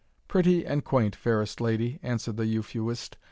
"Pretty and quaint, fairest lady," answered the Euphuist.